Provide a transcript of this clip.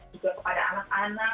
juga kepada anak anak